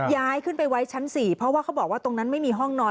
ย้ายขึ้นไปไว้ชั้น๔เพราะว่าเขาบอกว่าตรงนั้นไม่มีห้องนอน